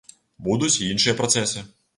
Будуць і іншыя працэсы.